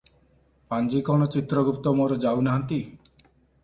ପାଞ୍ଜିକଣ ଚିତ୍ରଗୁପ୍ତ ମୋର ଯାଉ ନାହାନ୍ତି?